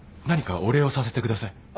何かお礼をさせてください。